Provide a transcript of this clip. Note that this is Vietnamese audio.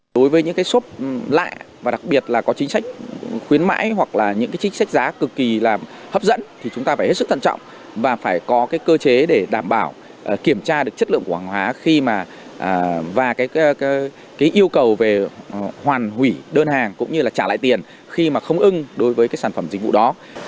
đối với những cái shop lạ và đặc biệt là có chính sách khuyến mãi hoặc là những cái chính sách giá cực kỳ là hấp dẫn thì chúng ta phải hết sức thận trọng và phải có cái cơ chế để đảm bảo kiểm tra được chất lượng quảng hóa khi mà và cái yêu cầu về hoàn hủy đơn hàng cũng như là trả lại tiền khi mà không ưng đối với cái sản phẩm dịch vụ đó